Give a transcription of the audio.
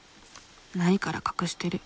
ないから隠してる。